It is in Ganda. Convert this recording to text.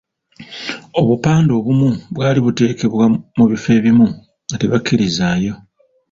Obupande obumu bwali bwateekebwa mu bifo ebimu nga tebakkirizaayo.